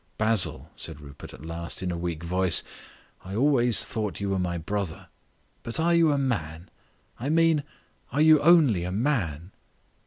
"Basil," said Rupert at last, in a weak voice, "I always thought you were my brother. But are you a man? I mean are you only a man?"